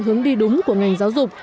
hướng đi đúng của ngành giáo dục